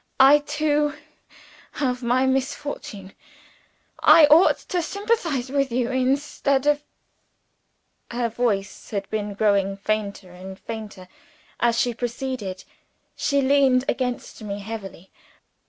I, too, have my misfortune. I ought to sympathize with you, instead of " Her voice had been growing fainter and fainter as she proceeded. She leaned against me heavily.